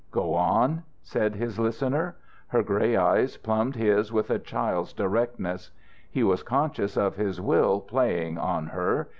"Go on," said his listener. Her grey eyes plumbed his with a child's directness. He was conscious of his will playing on her.